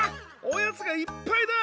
おやつがいっぱいだ！